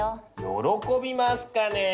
喜びますかね